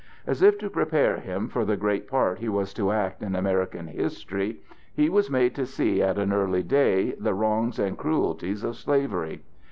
As if to prepare him for the great part he was to act in American history, he was made to see at an early day the wrongs and cruelties of slavery.